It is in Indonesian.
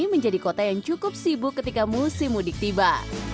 menjadi kota yang cukup sibuk ketika musim mudik tiba